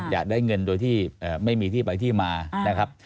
อยากได้เงินโดยที่ไม่มีที่ไปที่มานะครับ